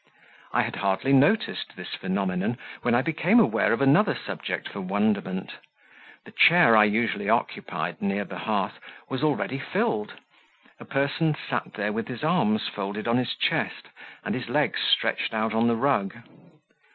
I had hardly noticed this phenomenon, when I became aware of another subject for wonderment; the chair I usually occupied near the hearth was already filled; a person sat there with his arms folded on his chest, and his legs stretched out on the rug.